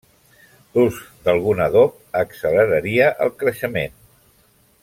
L'ús d'algun adob acceleraria el creixement.